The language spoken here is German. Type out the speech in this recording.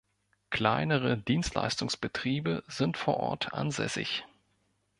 Kleinere Dienstleistungsbetriebe sind vor Ort ansässig.